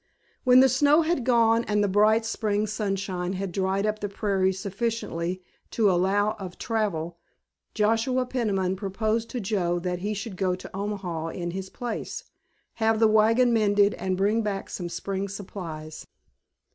When the snow had gone and the bright spring sunshine had dried up the prairies sufficiently to allow of travel Joshua Peniman proposed to Joe that he should go to Omaha in his place, have the wagon mended and bring back some spring supplies.